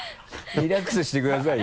リラックスしてくださいよ。